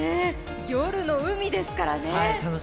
夜の海ですからね。